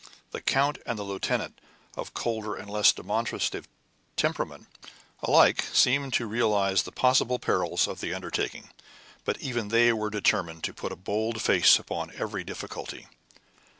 The count and the lieutenant, of colder and less demonstrative temperament, alike seemed to realize the possible perils of the undertaking, but even they were determined to put a bold face upon every difficulty.